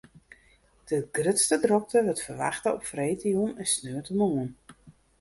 De grutste drokte wurdt ferwachte op freedtejûn en sneontemoarn.